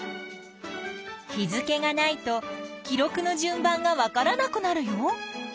日付がないと記録の順番がわからなくなるよ。